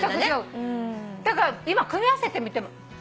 だから今組み合わせてみても。